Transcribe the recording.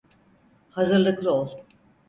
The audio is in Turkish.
Hazırlıklı ol.